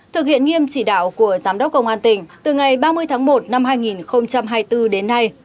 thực hiện nghiêm chỉ đạo của giám đốc công an tỉnh từ ngày ba mươi tháng một năm hai nghìn hai mươi bốn đến nay